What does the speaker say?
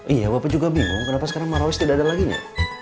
iya bapak juga bingung kenapa sekarang marawis tidak ada laginya